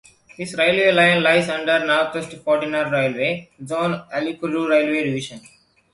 This railway line lies under Northeast Frontier Railway zone Alipurduar railway division.